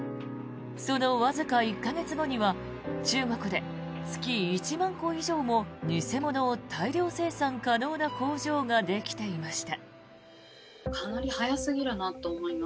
そのわずか１か月後には中国で、月１万個以上も偽物を大量生産可能な工場ができていました。